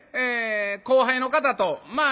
後輩の方とまあ